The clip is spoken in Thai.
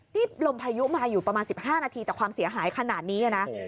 นี่ลมพายุมาอยู่ประมาณ๑๕นาทีแต่ความเสียหายขนาดนี้นะ